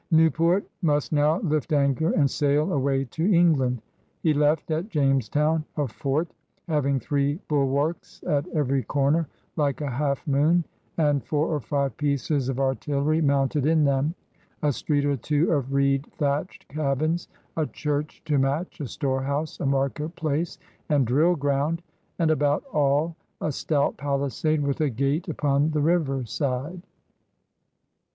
Newport must now lift anchor and sail away to England. He left at Jamestown a fort having three Bulwarkes at every comer like a half e Moone, and foure or five pieces of Artillerie moimted in them, '' a street or two of reed thatched cabins, a church to match, a storehouse, a maiket place and drill ground, and about all a stout palisade with a gate upon the river side.